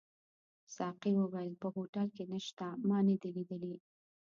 ساقي وویل: په هوټل کي نشته، ما نه دي لیدلي.